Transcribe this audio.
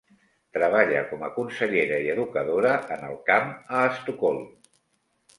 Treballa com a consellera i educadora en el camp a Estocolm.